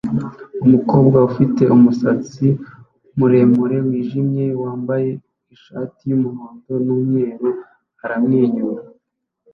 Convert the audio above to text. Umukobwa ufite umusatsi muremure wijimye wambaye ishati yumuhondo numweru aramwenyura